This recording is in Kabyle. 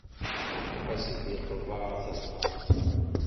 Aṭas i d-iqḍa s axxam.